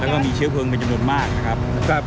แล้วก็มีเชื้อเพลิงเป็นจำนวนมากนะครับ